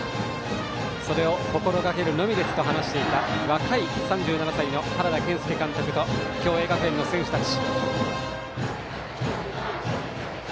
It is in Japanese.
それを心がけるのみですと話していた若い３７歳の原田健輔監督と共栄学園の選手たち。